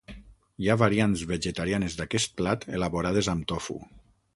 Hi ha variants vegetarianes d'aquest plat elaborades amb tofu.